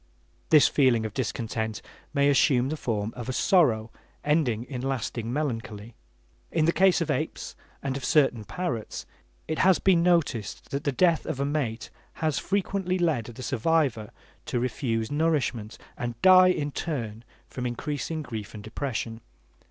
This feeling of discontent may assume the form of a sorrow ending in lasting melancholy. In the case of apes and of certain parrots, it has been noticed that the death of a mate has frequently led the survivor to refuse nourishment, and die in turn from increasing grief and depression.